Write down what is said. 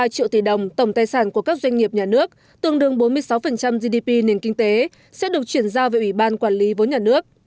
ba triệu tỷ đồng tổng tài sản của các doanh nghiệp nhà nước tương đương bốn mươi sáu gdp nền kinh tế sẽ được chuyển giao về ủy ban quản lý vốn nhà nước